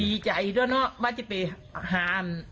ดีใจด้วยเนอะว่าจะไปหาอัน